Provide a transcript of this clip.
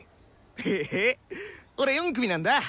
へえ俺４組なんだ。